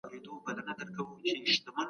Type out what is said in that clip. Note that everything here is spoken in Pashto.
د مسلې ټاکل د څېړني لومړنی پړاو دی.